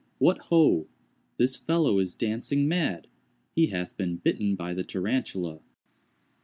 what ho! this fellow is dancing mad! He hath been bitten by the Tarantula.